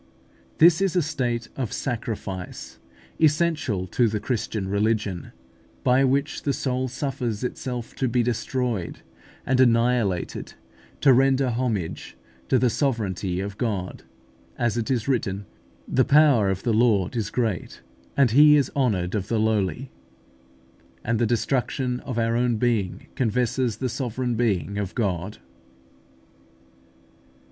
This is a state of sacrifice essential to the Christian religion, by which the soul suffers itself to be destroyed and annihilated to render homage to the sovereignty of God; as it is written, "The power of the Lord is great, and He is honoured of the lowly" (Ecclus. iii. 20). And the destruction of our own being confesses the sovereign being of God.